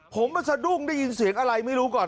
ผมมาสะดุ้งได้ยินเสียงอะไรไม่รู้ก่อน